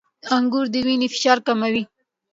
• انګور د وینې فشار کموي.